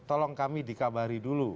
tolong kami dikabari dulu